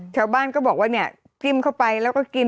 ชาวบ้านก็บอกว่าเนี่ยจิ้มเข้าไปแล้วก็กิน